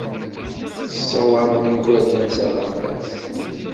Tessawaḍem igerdan s aɣerbaz.